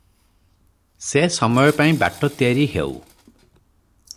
ସେ ସମୟ ପାଇଁ ବାଟ ତିଆରି ହେଉ ।